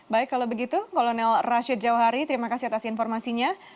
baik kalau begitu kolonel rashid jawahari terima kasih atas informasinya